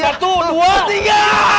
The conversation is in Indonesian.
satu dua tiga